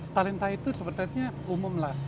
talenta itu sepertinya umum lah